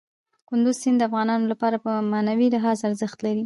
کندز سیند د افغانانو لپاره په معنوي لحاظ ارزښت لري.